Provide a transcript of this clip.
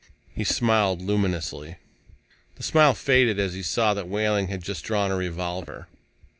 He smiled luminously. The smile faded as he saw that Wehling had just drawn a revolver.